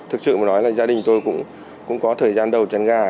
thực sự mà nói là gia đình tôi cũng có thời gian đầu chăn gà